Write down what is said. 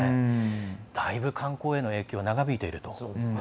だいぶ、観光への影響が長引いていると。